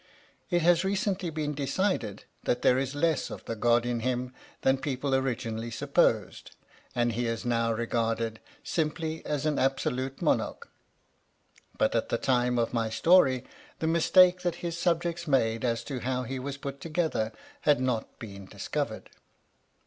It has recently been decided that there is less of the god in him than people originally supposed, and he is now regarded simply as an absolute monarch; but at the time THE STORY OF THE MIKADO of my story the mistake that his subjects made as to how he was put together had not been discovered.